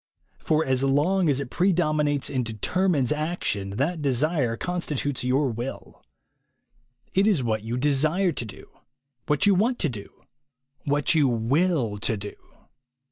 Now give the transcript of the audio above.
For as long as it predom inates and determines action, that desire constitutes your will. It is what you desire to do, what you want to do, what you will to do.